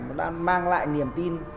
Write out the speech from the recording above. nó đã mang lại niềm tin